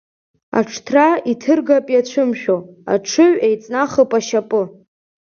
Аҽҭра инҭыргап иацәымшәо, аҽыҩ еиҵнахп ашьапы.